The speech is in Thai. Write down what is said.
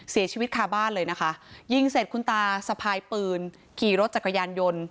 เสียชีวิตคาบ้านเลยนะคะยิงเสร็จคุณตาสะพายปืนขี่รถจักรยานยนต์